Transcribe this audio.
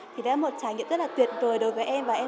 thì đấy là một trải nghiệm rất là tuyệt vời đối với em và em